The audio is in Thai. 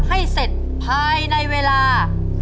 ให้เสร็จภายในเวลา